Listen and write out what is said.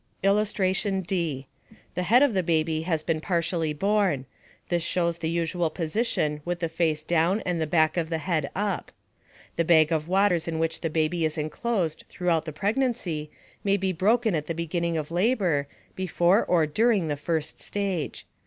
] [Illustration: D. The head of the baby has been partially born. This shows the usual position with the face down and the back of the head up. The bag of waters in which the baby is enclosed throughout the pregnancy may have broken at the beginning of labor, before or during the first stage.